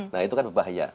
nah itu kan berbahaya